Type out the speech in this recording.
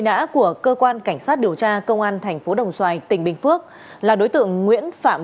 nã của cơ quan cảnh sát điều tra công an thành phố đồng xoài tỉnh bình phước là đối tượng nguyễn phạm